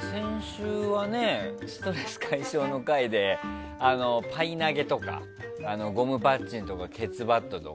先週はストレス解消の回でパイ投げやゴムパッチンやケツバットとか。